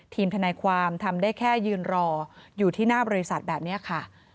ทนายความทำได้แค่ยืนรออยู่ที่หน้าบริษัทแบบนี้ค่ะ